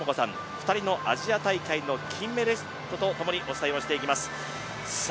２人のアジア大会の金メダリストとともにお伝えしていきます。